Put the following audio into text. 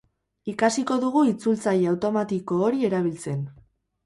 Ikasiko dugu itzultzaile automatiko hori erabiltzen.